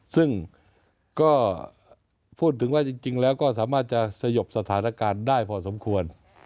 ซึ่งก็พูดถึงว่าจริงแล้วก็สามารถจะสยบสถานการณ์ได้พอสมควร